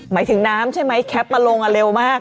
หมายถึงน้ำใช่ไหมแคปมาลงเร็วมาก